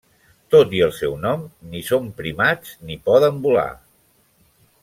Tot i el seu nom, ni són primats ni poden volar.